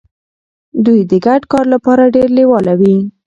دوی د ګډ کار لپاره ډیر لیواله وي.